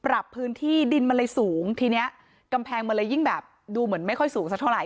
ปรับพื้นที่ดินมันเลยสูงทีเนี้ยกำแพงมันเลยยิ่งแบบดูเหมือนไม่ค่อยสูงสักเท่าไห